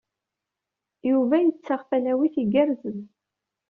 Yuba yettaɣ talawit igerrzen.